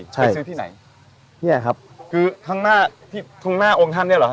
ใช่ไปซื้อที่ไหนเนี่ยครับคือข้างหน้าที่ข้างหน้าองค์ท่านเนี่ยเหรอฮ